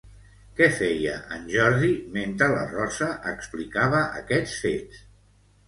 Què feia en Jordi mentre la Rosa explicava aquests fets?